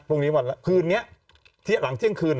พรุ่งนี้หมดครึ่งนี้หลังเช่นคืน